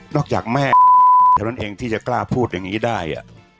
นอกจากแม่แต่วันนั้นเองที่จะกล้าพูดอย่างงี้ได้อะ